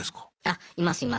あいますいます。